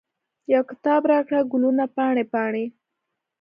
یو کتاب راکړه، ګلونه پاڼې، پاڼې